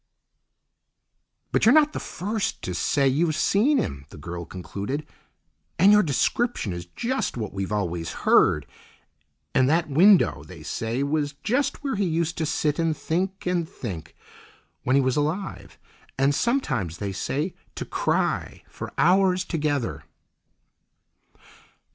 "But you're not the first to say you've seen him," the girl concluded; "and your description is just what we've always heard, and that window, they say, was just where he used to sit and think, and think, when he was alive, and sometimes, they say, to cry for hours together."